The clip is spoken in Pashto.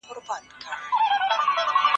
د قران کریم تلاوت او عمل وکړئ.